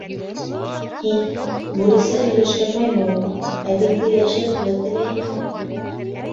— Һин, бүресә һөйләшкән маймыл, әҙеңде йәшерергә теләйһеңме?